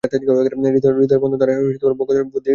হৃদয়ের দ্বারাই ভগবৎসাক্ষাৎকার হয়, বুদ্ধি দ্বারা নয়।